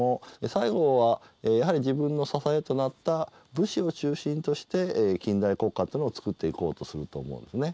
西郷はやはり自分の支えとなった武士を中心として近代国家っていうのをつくっていこうとすると思うんですね。